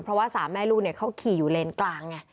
เพราะว่าสามแม่ลูกเขาขี่อยู่เลนกลางไง